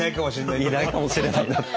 いないかもしれないなって。